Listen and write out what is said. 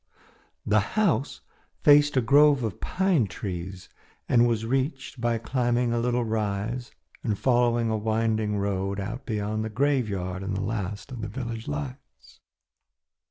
The house faced a grove of pine trees and was reached by climbing a little rise and following a winding road out beyond the graveyard and the last of the village lights.